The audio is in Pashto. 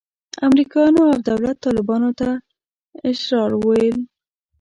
امریکایانو او دولت طالبانو ته اشرار ویل.